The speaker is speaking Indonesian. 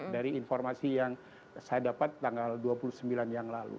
dari informasi yang saya dapat tanggal dua puluh sembilan yang lalu